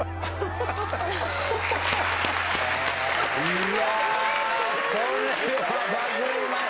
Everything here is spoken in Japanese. いやこれはバグります。